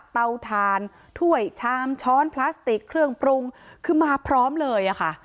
เตาถ่านถ้วยชามช้อนพลาสติกเครื่องปรุงคือมาพร้อมเลยอะค่ะ